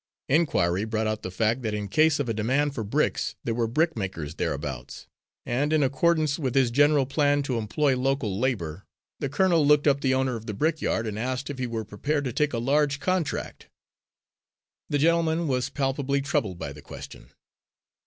Inquiry brought out the fact that in case of a demand for bricks there were brickmakers thereabouts; and in accordance with his general plan to employ local labour, the colonel looked up the owner of the brickyard, and asked if he were prepared to take a large contract. The gentleman was palpably troubled by the question.